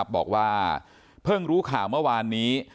บอกว่าเพิ่งรู้ข่าวเมื่อวานนี้